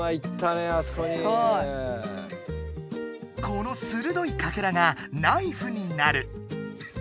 このするどいかけらがナイフになる。